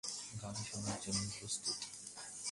গান শোনার জন্য প্রস্তুত?